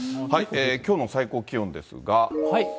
きょうの最高気温ですが。